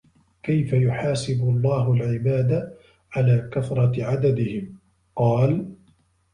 كَيْفَ يُحَاسِبُ اللَّهُ الْعِبَادَ عَلَى كَثْرَةِ عَدَدِهِمْ ؟ قَالَ